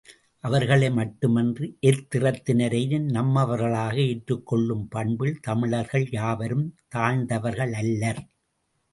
அவர்களை மட்டுமன்று, எத்திறத்தினரையும் நம்மவர்களாக ஏற்றுக் கொள்ளும் பண்பில் தமிழர்கள் யாருக்கும் தாழ்ந்தவர்களல்லர்.